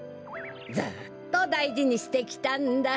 ずっとだいじにしてきたんだ。